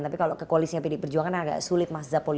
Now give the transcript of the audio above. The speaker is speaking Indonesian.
tapi kalau ke koalisi yang pilih perjuangan agak sulit mas zahar